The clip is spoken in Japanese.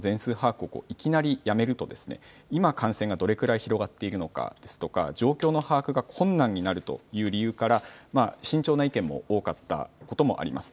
一方で、専門家からは感染者数の全数把握をいきなりやめると今、感染がどれくらい広がっているのかですとか状況の把握が困難になるという理由から慎重な意見も多かったこともあります。